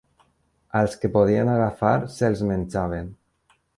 Als que podien agafar se'ls menjaven.